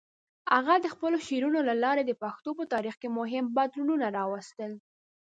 هغه د خپلو شعرونو له لارې د پښتنو په تاریخ کې مهم بدلونونه راوستل.